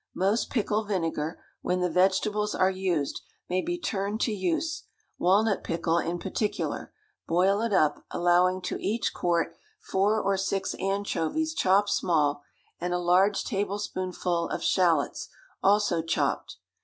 Most pickle vinegar, when the vegetables are used, may be turned to use, walnut pickle in particular; boil it up, allowing to each quart, four or six anchovies chopped small, and a large tablespoonful of shalots, also chopped.